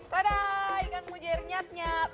pada ikan mujair nyat nyat